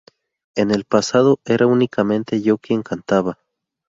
En el pasado, era únicamente yo quien cantaba".